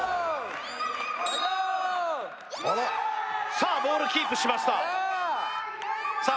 さあボールキープしましたさあ